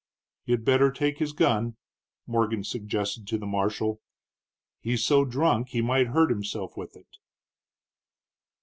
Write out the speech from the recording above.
"You'd better take his gun," Morgan suggested to the marshal, "he's so drunk he might hurt himself with it."